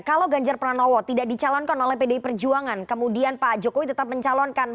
kalau ganjar pranowo tidak dicalonkan oleh pdi perjuangan kemudian pak jokowi tetap mencalonkan